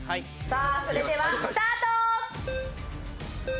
さあそれではスタート！